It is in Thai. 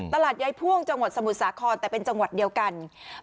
ยายพ่วงจังหวัดสมุทรสาครแต่เป็นจังหวัดเดียวกัน